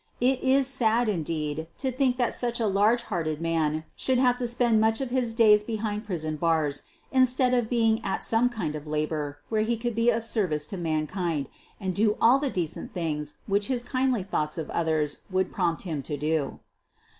It is sad, indeed, to think that such a large hearted man should have to spend most of his days behind prison bars instead of being at some kind of labor where he could be of service to mankind and do all the decent things which his kindly thoughts of others would prompt him to do.